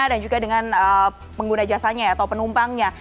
dan juga dengan pengguna jasanya atau penumpangnya